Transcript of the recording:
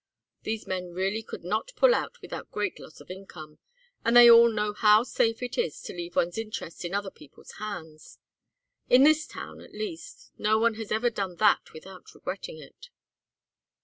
These men really could not pull out without great loss of income, and they all know how safe it is to leave one's interests in other people's hands. In this town, at least, no one has ever done that without regretting it."